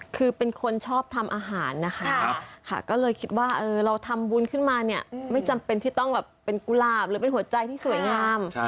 คือเป็นคนชอบทำอาหารนะคะก็เลยคิดว่าเราทำบุญขึ้นมาเนี่ยไม่จำเป็นที่ต้องแบบเป็นกุหลาบหรือเป็นหัวใจที่สวยงาม